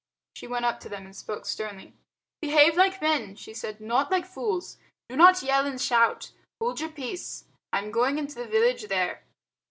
She went up to them and spoke sternly. "Behave like men," she said, "not like fools. Do not yell and shout. Hold your peace. I am going into the village there."